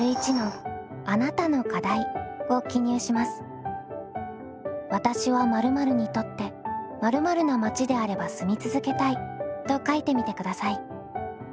最初に「わたしは○○にとって○○な町であれば住み続けたい」と書いてみてください。